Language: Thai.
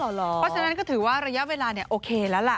เพราะฉะนั้นก็ถือว่าระยะเวลาโอเคแล้วล่ะ